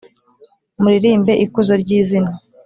Muririmbe ikuzo ry izina